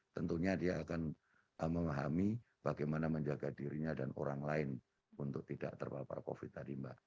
tentunya dia akan memahami bagaimana menjaga dirinya dan orang lain untuk tidak terpapar covid tadi mbak